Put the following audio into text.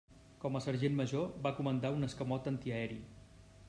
Com a sergent major va comandar un escamot antiaeri.